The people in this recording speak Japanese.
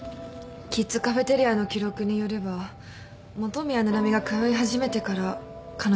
キッズカフェテリアの記録によれば元宮七海が通い始めてから彼女は参加した。